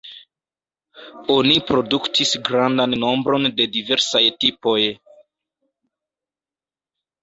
Oni produktis grandan nombron de diversaj tipoj.